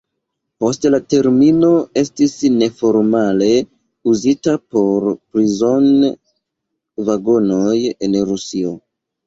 Poste la termino estis neformale uzita por prizon-vagonoj en Rusio.